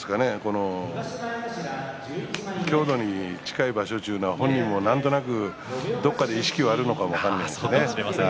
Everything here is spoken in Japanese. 郷土に近い場所には本人もなんとなくねどこかで意識があるかもしれませんね。